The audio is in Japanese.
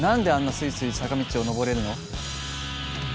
スイスイ坂道を上れるの？